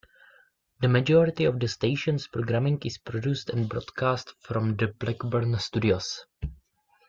The majority of the station's programming is produced and broadcast from the Blackburn studios.